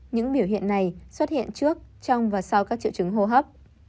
những biểu hiện này xuất hiện trước trong và sau các triệu chứng hô hấp